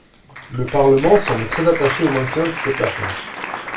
Le Parlement semble très attaché au maintien de ces plafonds.